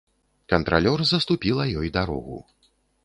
Кантралёр заступіла ёй дарогу.